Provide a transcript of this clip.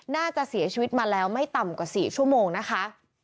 น่าจะเสียชีวิตมาแล้วไม่ต่ำกว่า๔ชั่วโมงนะคะ